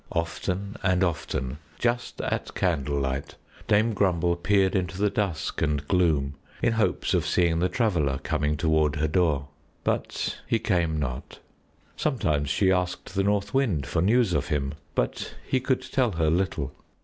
Often and often, just at candlelight, Dame Grumble peered into the dusk and gloom in hopes of seeing the Traveler coming toward her door; but he came not. Sometimes she asked the North Wind for news of him, but he could tell her little.